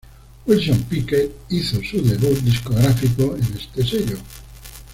Wilson Pickett hizo su debut discográfico en este sello.